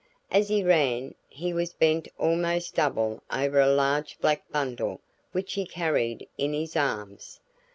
As he ran he was bent almost double over a large black bundle which he carried in his arms.